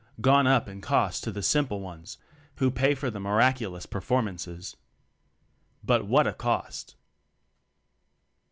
gone up in cost to the simple ones who pay for the "miraculous" performances. But what a co.t!